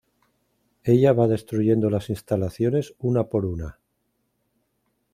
Ella va destruyendo las instalaciones una por una.